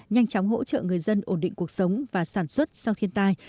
nhanh chóng hỗ trợ người dân ổn định cuộc sống và sản xuất sau thiên tai